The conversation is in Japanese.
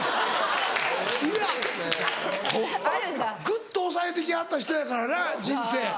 グッと抑えて来はった人やからな人生。